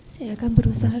saya akan berusaha